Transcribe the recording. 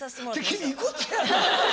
君いくつやねん！